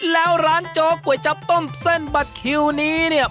แล้วร้านโจ๊กก๋วยจับต้มเส้นบัตรคิวนี้เนี่ย